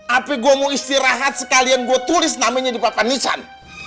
api gue mau istirahat sekalian gue tulis namanya di papan nican